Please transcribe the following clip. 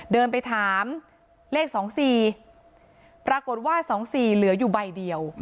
เดินไปถามเลข๒๔ปรากฏว่า๒๔เหลืออยู่ใบเดียว